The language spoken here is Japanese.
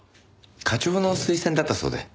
課長の推薦だったそうで。